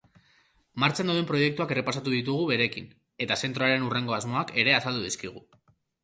Martxan dauden proiektuak errepasatu ditugu berekin eta zentroaren hurrengo asmoak ere azaldu dizkigu.